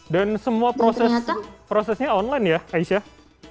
dan semua prosesnya online ya aisyah